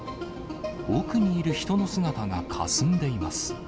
奥にいる人の姿がかすんでいます。